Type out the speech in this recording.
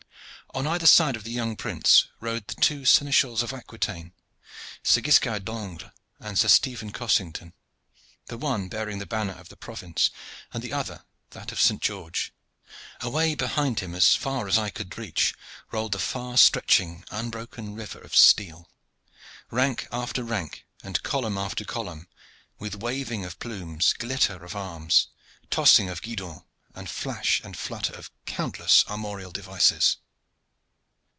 On either side of the young prince rode the two seneschals of Aquitaine, Sir Guiscard d'Angle and Sir Stephen Cossington, the one bearing the banner of the province and the other that of Saint George. Away behind him as far as eye could reach rolled the far stretching, unbroken river of steel rank after rank and column after column, with waving of plumes, glitter of arms, tossing of guidons, and flash and flutter of countless armorial devices.